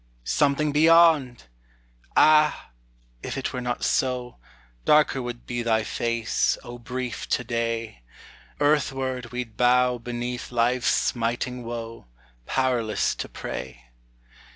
Something beyond! Ah, if it were not so, Darker would be thy face, O brief To day; Earthward we 'd bow beneath life's smiting woe, Powerless to pray.